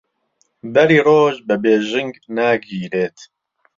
بەری ڕۆژ بە بێژنگ ناگیرێت